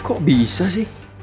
kok bisa sih